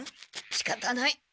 しかたない。